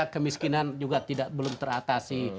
kemiskinan juga belum teratasi